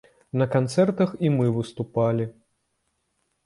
На канцэртах і мы выступалі.